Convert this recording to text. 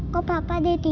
kok papa detik